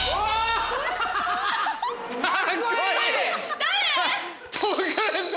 誰？